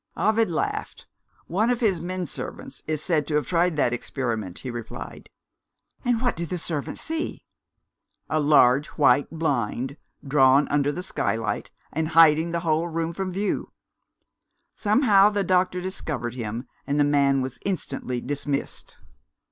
Ovid laughed. "One of his men servants is said to have tried that experiment," he replied. "And what did the servant see?" "A large white blind, drawn under the skylight, and hiding the whole room from view. Somehow, the doctor discovered him and the man was instantly dismissed.